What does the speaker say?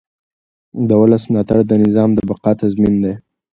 د ولس ملاتړ د نظام د بقا تضمین دی